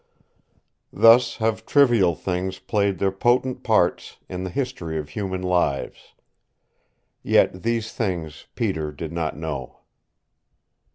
Thus have trivial things played their potent parts in the history of human lives; yet these things Peter did not know.